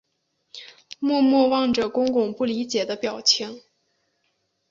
默默望着公公不理解的表情